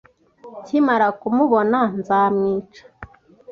Nkimara kumubona, nzamwica.